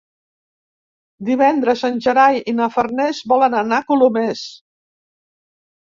Divendres en Gerai i na Farners volen anar a Colomers.